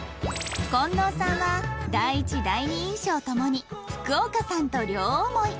こんどうさんは第一・第二印象ともに福岡さんと両思い